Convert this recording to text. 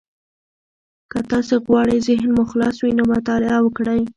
که تاسي غواړئ ذهن مو خلاص وي، نو مطالعه وکړئ.